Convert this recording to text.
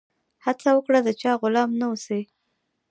هڅه وکړه د چا غلام نه سي.